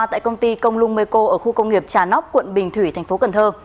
tại công ty công lung meco ở khu công nghiệp trà nóc quận bình thủy tp cn